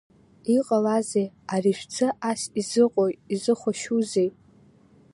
Иҟалази, ари шәӡы ас изыҟои, изыхәашьи?